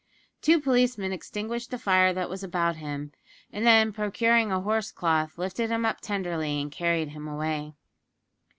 Two policemen extinguished the fire that was about him, and then, procuring a horse cloth lifted him up tenderly and carried him away.